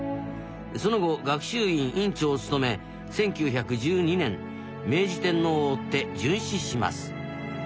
その後学習院院長を務め１９１２年明治天皇を追って殉死します。